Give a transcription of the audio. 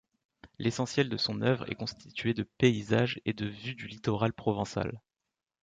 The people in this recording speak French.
L'essentiel de son œuvre est constitué de paysages et de vue du littoral provençal.